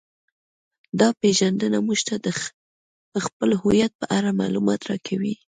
دا پیژندنه موږ ته د خپل هویت په اړه معلومات راکوي